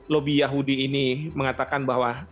lobby yahudi ini mengatakan bahwa